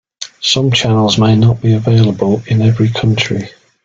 Some channels may not be available in every country.